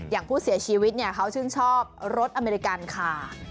อย่างผู้เสียชีวิตเขาชื่นชอบรถอเมริกันค่ะ